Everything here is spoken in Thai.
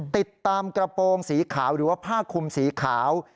ติดตามกระโปรงสีขาวหรือว่าผ้าคุมสีขาว